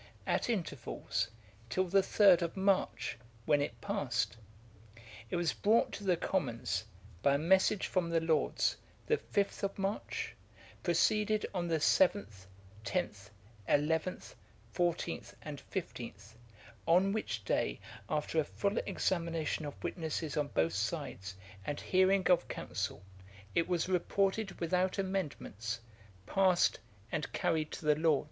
at intervals, till the 3d of March, when it passed. It was brought to the Commons, by a message from the Lords, the 5th of March, proceeded on the 7th, 10th, 11th, 14th, and 15th, on which day, after a full examination of witnesses on both sides, and hearing of Counsel, it was reported without amendments, passed, and carried to the Lords.